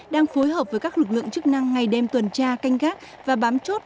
đang phối hợp với các lực lượng chức năng ngày đêm tuần tra canh gác và bám chốt